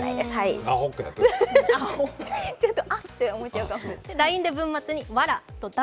ちょっと、あって思っちゃうかも。